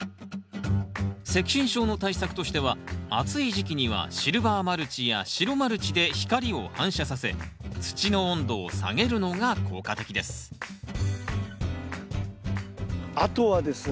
赤芯症の対策としては暑い時期にはシルバーマルチや白マルチで光を反射させ土の温度を下げるのが効果的ですあとはですね